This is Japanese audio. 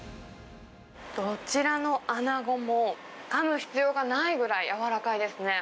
どちらの穴子も、かむ必要がないぐらい軟らかいですね。